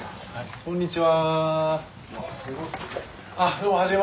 こんにちは。